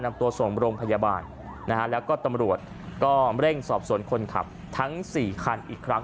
นำตัวส่งโรงพยาบาลนะฮะแล้วก็ตำรวจก็เร่งสอบสวนคนขับทั้ง๔คันอีกครั้ง